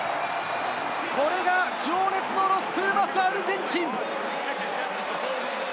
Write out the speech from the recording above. これが情熱のロス・プーマス、アルゼンチン！